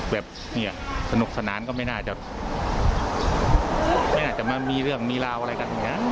แบบเนี่ยสนุกสนานก็ไม่น่าจะไม่น่าจะมามีเรื่องมีราวอะไรกันอย่างนี้